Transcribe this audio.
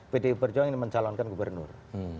pdi perjuangan ini mencalonkan gubernur